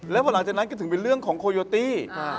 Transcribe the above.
แล้วพอหลังจากนั้นก็ถึงเป็นเรื่องของโคโยตี้